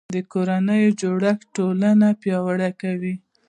د کورنۍ جوړښت ټولنه پیاوړې کوي